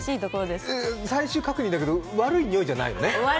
最終確認だけど、悪いにおいではないのね？